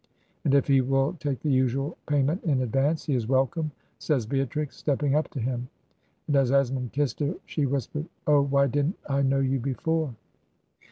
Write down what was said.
'And if he will take the usual pay ment in advance, he is welcome,' says Beatrix, stepping up to him; and as Esmond kissed her she whispered, ' Oh, why didn't I know you before?